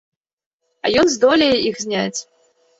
А ён здолее іх зняць!